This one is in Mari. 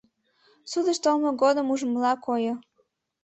— Судыш толмо годым ужмыла койо.